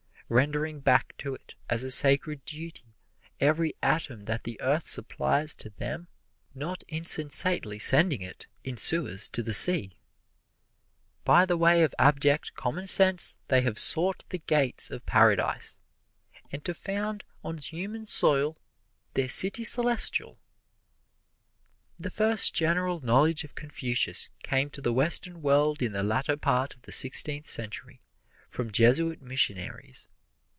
Rendering back to it as a sacred duty every atom that the Earth supplies to them (not insensately sending it in sewers to the sea), By the way of abject commonsense they have sought the gates of Paradise and to found on human soil their City Celestial! The first general knowledge of Confucius came to the Western world in the latter part of the Sixteenth Century from Jesuit missionaries.